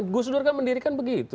gusudar kan mendirikan begitu